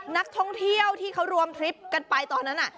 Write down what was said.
นักท่องเที่ยวที่เขารวมทริปกันไปตอนนั้น